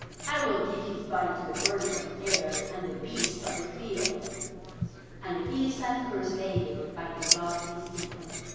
I will give his body to the birds of the air, and the beasts of the field." And the Philistine cursed David by the gods of his people.